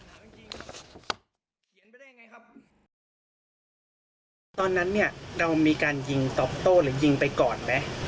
จริงเขียนไปได้ยังไงครับตอนนั้นเนี่ยเรามีการยิงตอบโต้หรือยิงไปก่อนไหม